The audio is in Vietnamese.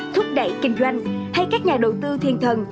thúc đẩy kinh doanh hay các nhà đầu tư thiên thần